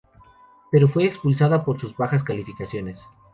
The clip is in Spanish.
Pero fue expulsada por sus bajas calificaciones.